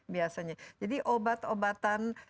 biasanya jadi obat obatan